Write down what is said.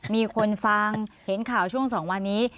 มีคนฟังเห็นข่าวช่วง๒วันนี้